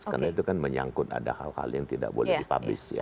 karena itu kan menyangkut ada hal hal yang tidak boleh dipublis